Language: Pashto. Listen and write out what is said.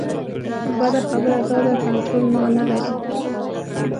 بده خبره دا ده کنټرول ونه لري.